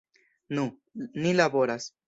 Nu, ni laboras.